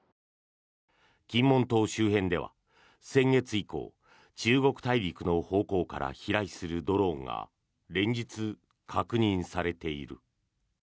金門島周辺では先月以降中国大陸の方向から飛来するドローンが連日、確認されている。